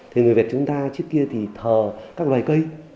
thì người việt chúng ta trước kia thì thờ các loài cây